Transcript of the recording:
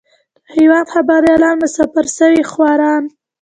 د هېواد خبريالان مسافر سوي خواران.